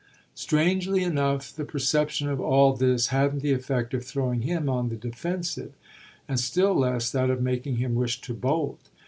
Strangely enough the perception of all this hadn't the effect of throwing him on the defensive and still less that of making him wish to bolt.